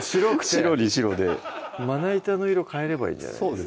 白に白でまな板の色変えればいいんじゃないですか？